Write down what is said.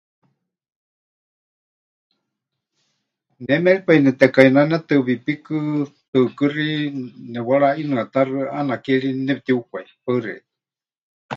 Ne méripai netekainanetɨ wipíkɨ tɨɨkɨ́xi nepɨwaraʼinɨatáxɨ, ʼaana ke ri nepɨtiukwai. Paɨ xeikɨ́a.